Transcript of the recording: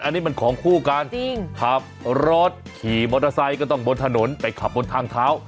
อันนี้มันของคู่กันจริงขับรถขี่มอเตอร์ไซค์ก็ต้องบนถนนไปขับบนทางเท้า